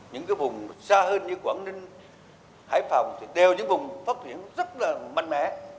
những cái vùng xa hơn như quảng ninh hải phòng thì đều những vùng phát triển rất là mạnh mẽ